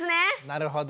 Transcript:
なるほど。